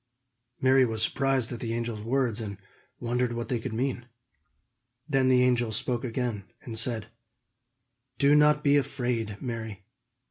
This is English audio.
Mary was surprised at the angel's words, and wondered what they could mean. Then the angel spoke again, and said: "Do not be afraid, Mary.